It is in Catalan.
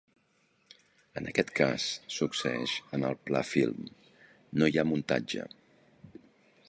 En aquest cas succeeix en el pla film, no hi ha muntatge.